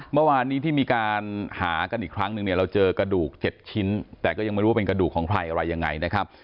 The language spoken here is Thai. เมื่อวานนี้ที่มีการหากันอีกครั้งนึงเนี่ยเราเจอกระดูก๗ชิ้นแต่ก็ยังไม่รู้ว่าเป็นกระดูกของใครอะไรยังไงนะครับ